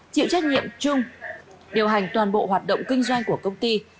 chịu trách nhiệm chung điều hành toàn bộ hoạt động kinh doanh của công ty